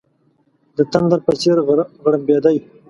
د تندر په څېر غړمبېدی.